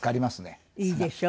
いいでしょう？